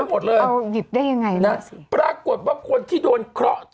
เอาหยิบได้อย่างเงินเนอะสิปรากฏว่าคนที่โดนเคราะห์